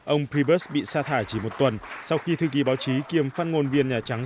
ông prybert bị xa thải chỉ một tuần sau khi thư ký báo chí kiêm phát ngôn viên nhà trắng